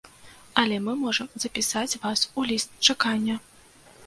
Але мы можам запісаць вас у ліст чакання.